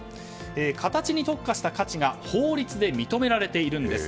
形に特化した価値が法律で認められているんです。